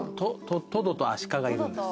トドとアシカがいるんですね。